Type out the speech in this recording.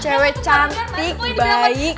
cewe cantik baik